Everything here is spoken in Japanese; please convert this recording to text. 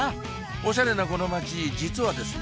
おしゃれなこの街実はですね